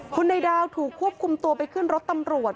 คุณนายดาวถูกควบคุมตัวไปขึ้นรถตำรวจ